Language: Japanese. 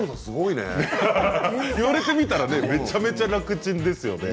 言われてみたらめちゃくちゃ楽ちんですよね。